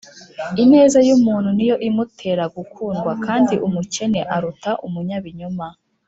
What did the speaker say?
ineza y’umuntu ni yo imutera gukundwa, kandi umukene aruta umunyabinyoma